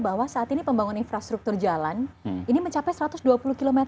bahwa saat ini pembangunan infrastruktur jalan ini mencapai satu ratus dua puluh km